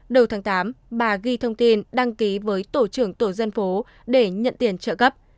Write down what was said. đầu tháng tám bà ghi thông tin đăng ký với tổ trưởng tổ dân phố để nhận tiền trợ cấp